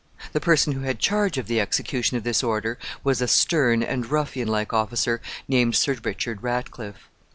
The person who had charge of the execution of this order was a stern and ruffian like officer named Sir Richard Ratcliffe.